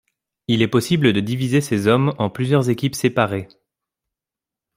Il est possible de diviser ses hommes en plusieurs équipes séparées.